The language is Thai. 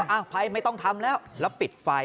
อ้าวไฟไม่ต้องทำแล้วแล้วปิดไฟ